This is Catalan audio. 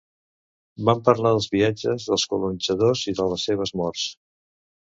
Van parlar dels viatges dels colonitzadors i de les seves morts.